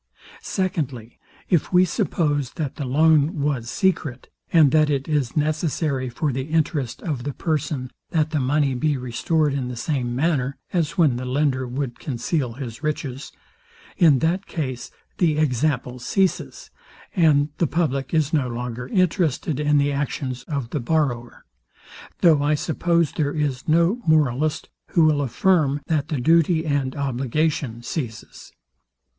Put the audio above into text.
Secondly, if we suppose, that the loan was secret, and that it is necessary for the interest of the person, that the money be restored in the same manner (as when the lender would conceal his riches) in that case the example ceases, and the public is no longer interested in the actions of the borrower; though I suppose there is no moralist, who will affirm, that the duty and obligation ceases.